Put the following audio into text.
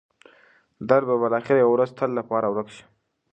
درد به بالاخره یوه ورځ د تل لپاره ورک شي.